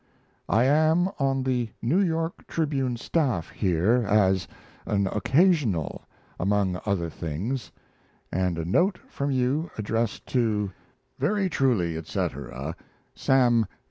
I am on the New York Tribune staff here as an "occasional," among other things, and a note from you addressed to Very truly, etc., SAM.